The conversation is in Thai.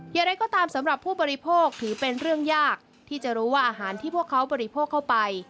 อย่างไรก็ตามสำหรับผู้บริโภคถือเป็นเรื่องยากที่จะรู้ว่าอาหารที่พวกเขาบริโภคเข้าไป